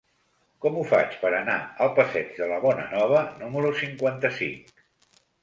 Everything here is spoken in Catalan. Com ho faig per anar al passeig de la Bonanova número cinquanta-cinc?